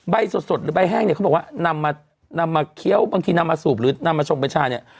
สดหรือใบแห้งเนี่ยเขาบอกว่านำมานำมาเคี้ยวบางทีนำมาสูบหรือนำมาชงไปชาเนี่ย